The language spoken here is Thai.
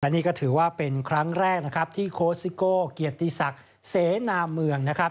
นี่ก็ถือว่าเป็นครั้งแรกที่โคสิโกเกียรติศักดิ์เสนามเมือง